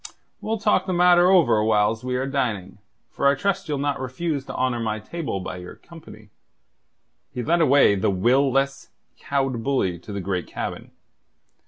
We'll talk the matter over whiles we are dining, for I trust ye'll not refuse to honour my table by your company." He led away the will less, cowed bully to the great cabin.